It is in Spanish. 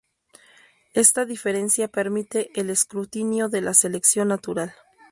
Esta diferencia permite el escrutinio de la selección natural.